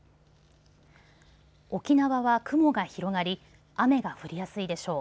沖縄は雲が広がり雨が降りやすいでしょう。